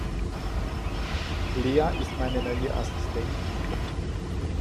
Lea ist meine neue Assistentin.